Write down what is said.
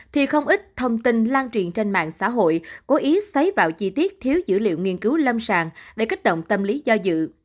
thì không ít thông tin lan truyền trên mạng xã hội cố ý xoáy vào chi tiết thiếu dữ liệu nghiên cứu lâm sàng để kích động tâm lý do dự